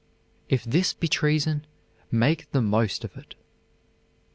If this be treason, make the most of it."